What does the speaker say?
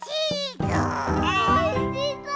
おいしそう！